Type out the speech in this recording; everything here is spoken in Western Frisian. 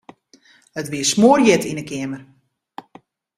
It wie smoarhjit yn 'e keamer.